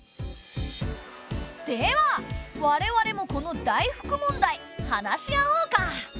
では我々もこの大福問題話し合おうか。